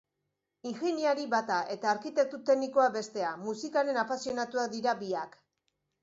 Ingeniari bata eta arkitektu teknikoa bestea, musikaren apasionatuak dira biak.